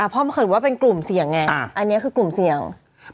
เพราะมันเกิดว่าเป็นกลุ่มเสี่ยงไงอันนี้คือกลุ่มเสี่ยง